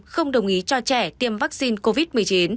không đồng ý cho trẻ tiêm vaccine covid một mươi chín